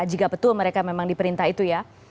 jika betul mereka memang diperintah itu ya